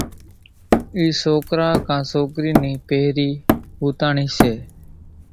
اِي سوڪرا ڪان سوڪري ني پھرين ۿوتاۿڻي سي ۔